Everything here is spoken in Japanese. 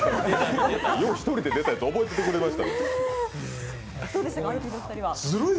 よう１人で出たやつ覚えてくれましたよ。